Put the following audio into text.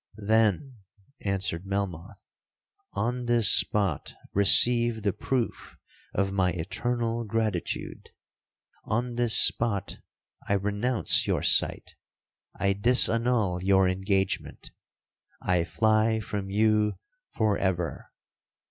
'—'Then,' answered Melmoth, 'on this spot receive the proof of my eternal gratitude. On this spot I renounce your sight!—I disannul your engagement!—I fly from you for ever!'